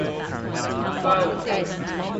Grundel and Beetle appear and a chase ensues.